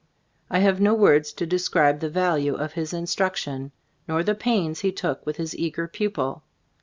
I have no words to describe j the value of his instruction, nor the pains he took with his eager pupil.